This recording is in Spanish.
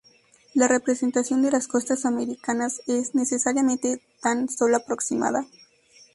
La representación de las costas americanas es, necesariamente, tan sólo aproximada.